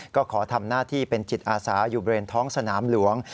ก็ขอทำหน้าที่เป็นจิตอาสาอยู่บริเวณท้องสนามหลวง